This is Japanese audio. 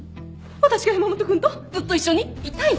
私が山本君とずっと一緒にいたい？